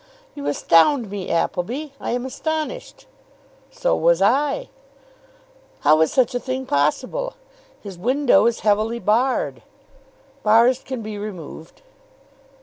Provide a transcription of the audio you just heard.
"You astound me, Appleby. I am astonished." "So was I." "How is such a thing possible? His window is heavily barred." "Bars can be removed."